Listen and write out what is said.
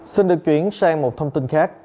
xin được chuyển sang một thông tin khác